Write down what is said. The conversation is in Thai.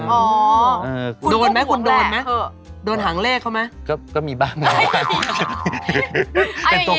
เรื่องลูกเนี่ยนะคละไว้ก่อน